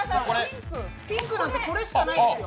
ピンクなんてこれしかないですよ。